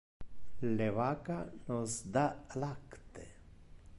Le vacca nos da lacte.